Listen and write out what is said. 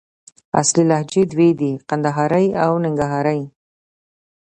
اصلي لهجې دوې دي: کندهارۍ او ننګرهارۍ